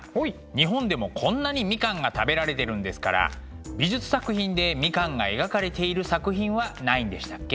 日本でもこんなにみかんが食べられてるんですから美術作品でみかんが描かれている作品はないんでしたっけ？